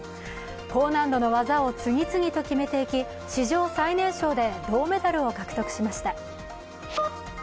高難度の技を次々と決めていき、史上最年少で銅メダルを獲得しました。